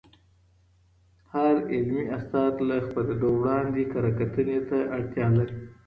هر علمي اثر له خپریدو وړاندې کره کتنې ته اړتیا لري.